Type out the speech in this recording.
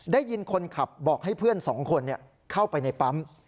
ได้ยินคนขับบอกให้เพื่อนสองคนเข้าไปในปั๊ม